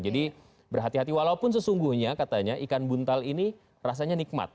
berhati hati walaupun sesungguhnya katanya ikan buntal ini rasanya nikmat